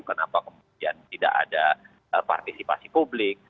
kenapa kemudian tidak ada partisipasi publik